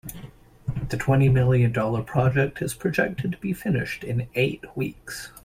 The twenty million dollar project is projected to be finished in eight weeks.